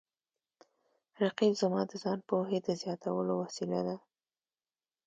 رقیب زما د ځان پوهې د زیاتولو وسیله ده